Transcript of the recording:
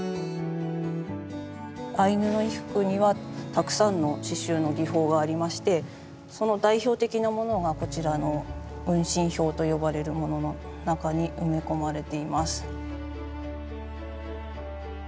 アイヌの衣服にはたくさんの刺しゅうの技法がありましてその代表的なものがこちらの運針表と呼ばれるものの中に埋め込まれています。